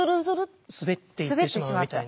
滑っていってしまうみたいな。